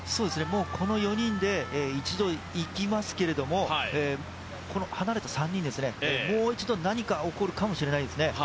この４人で一度、いきますけれども、離れた３人、もう一度何か起こるかもしれないですね。